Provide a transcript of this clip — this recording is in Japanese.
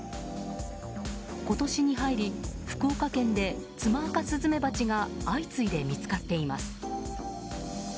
今年に入り福岡県でツマアカスズメバチが相次いで見つかっています。